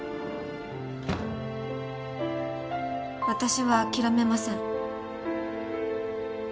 私は諦めません。